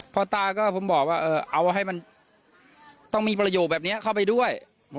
พ่อตาก็ผมบอกว่าเอาให้มันต้องมีประโยคแบบนี้เข้าไปด้วย